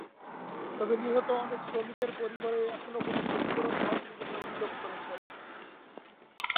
তবে নিহত অনেক শ্রমিকের পরিবারই এখনও কোনো ক্ষতিপূরন পাননি বলে অভিযোগ করেছেন।